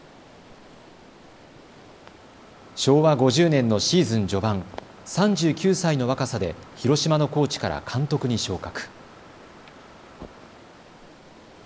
昭和５０年のシーズン序盤、３９歳の若さで広島のコーチから監督に昇格。